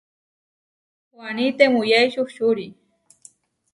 Waní temuyái čuhčuri.